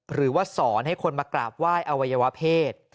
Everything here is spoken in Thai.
หรือว่าสอนให้คนมากราบไหว้อวัยวะเพศ